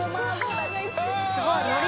すごいのり。